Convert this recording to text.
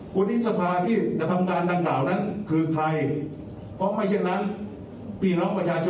ปติศภาที่จะทำการดังกล่าวนั้นคือใคร